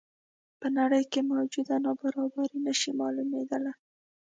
په نړۍ کې موجوده نابرابري نه شي معلومېدلی.